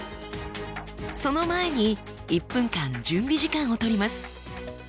その前に１分間準備時間を取ります。